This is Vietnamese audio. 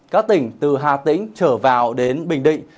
các tỉnh từ hà tĩnh trở vào đến bình định